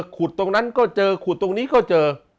ขุดตรงนั้นก็เจอขุดตรงนี้ก็เจอ